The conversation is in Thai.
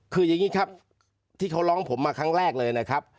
คืออย่างนี้ครับที่เขาร้องผมมาครั้งแรกเลยนะครับ